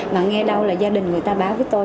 mà nghe đâu là gia đình người ta báo với tôi